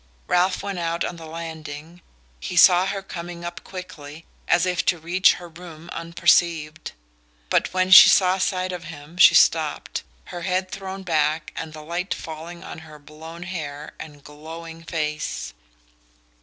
Ralph went out on the landing. He saw her coming up quickly, as if to reach her room unperceived; but when she caught sight of him she stopped, her head thrown back and the light falling on her blown hair and glowing face.